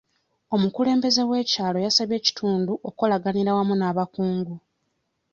Omukulembeze w'ekyalo yasabye ekitundu okukolaganira awamu n'abakungu.